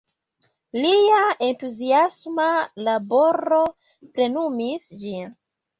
Lia entuziasma laboro plenumis ĝin.